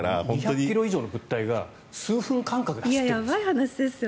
２００ｋｇ以上の物体が数分間隔で走ってるんですよ。